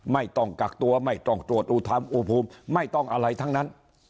ไม่ต้องกักตัวไม่ต้องตรวจอุทัมอุภูมิไม่ต้องอะไรทั้งนั้น